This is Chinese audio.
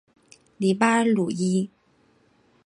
里巴尔鲁伊。